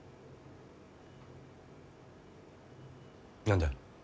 何だよ？